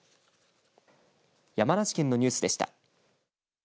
山梨県のニュースでした。